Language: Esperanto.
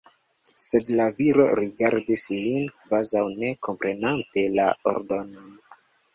Sed la viro rigardis lin, kvazaŭ ne komprenante la ordonon.